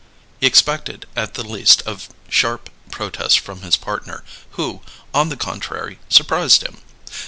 He expected at the least a sharp protest from his partner, who, on the contrary, surprised him.